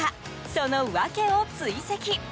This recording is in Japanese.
その訳を追跡。